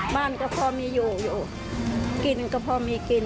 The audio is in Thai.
บ้านก็พอมีอยู่อยู่กินก็พอมีกิน